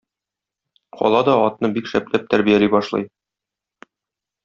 Кала да атны бик шәпләп тәрбияли башлый.